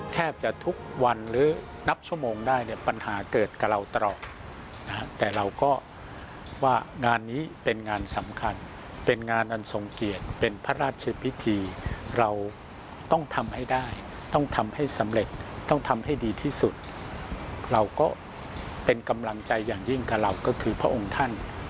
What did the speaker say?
ทุกพ่อองค์ถือว่าเป็นกำลังใจให้กับเรา